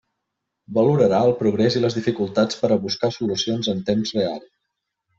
Valorarà el progrés i les dificultats per a buscar solucions en temps real.